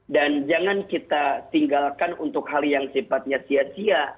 dan jangan kita tinggalkan untuk hal yang sempatnya sia sia